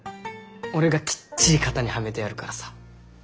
俺がきっちり型にはめてやるからさ。